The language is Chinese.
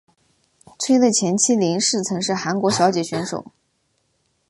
崔的前妻林氏曾是韩国小姐选手。